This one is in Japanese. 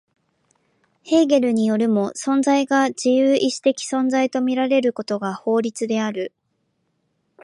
ヘーゲルによるも、存在が自由意志的存在と見られることが法律である。